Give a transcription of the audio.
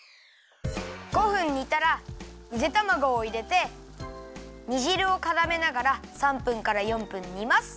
５分煮たらゆでたまごをいれてにじるをからめながら３分から４分煮ます。